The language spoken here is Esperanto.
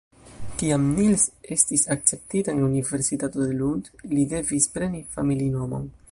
Kiam Nils estis akceptita en la Universitato de Lund, li devis preni familinomon.